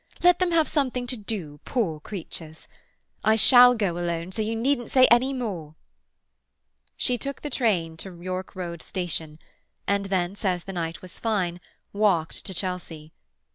Let them have something to do, poor creatures. I shall go alone, so you needn't say any more." She took train to York Road Station, and thence, as the night was fine, walked to Chelsea.